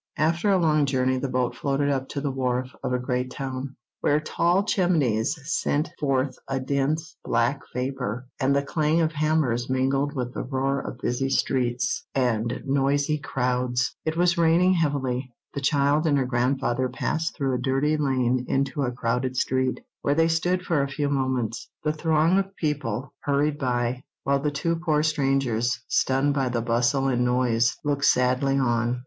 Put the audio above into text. After a long journey the boat floated up to the wharf of a great town, where tall chimneys sent forth a dense, black vapour, and the clang of hammers mingled with the roar of busy streets and noisy crowds. It was raining heavily. The child and her grandfather passed through a dirty lane into a crowded street, where they stood for a few moments. The throng of people hurried by, while the two poor strangers, stunned by the bustle and noise, looked sadly on.